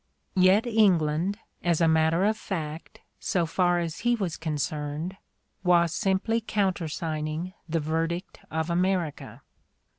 Yet England, as a matter of fact, so far as he was concerned, was simply countersigning the verdict of America.